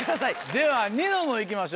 ではニノもいきましょう